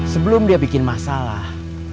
sebelum dia bikin masalah